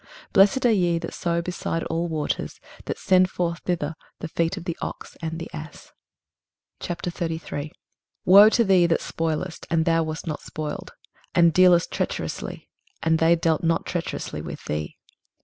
23:032:020 Blessed are ye that sow beside all waters, that send forth thither the feet of the ox and the ass. 23:033:001 Woe to thee that spoilest, and thou wast not spoiled; and dealest treacherously, and they dealt not treacherously with thee!